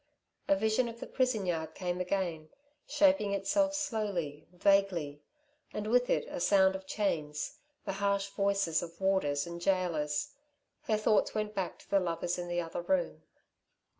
A vision of the prison yard came again, shaping itself slowly, vaguely, and with it a sound of chains, the harsh voices of warders and gaolers. Her thoughts went back to the lovers in the other room.